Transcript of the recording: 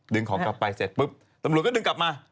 ของกลับไปเสร็จปุ๊บตำรวจก็ดึงกลับมา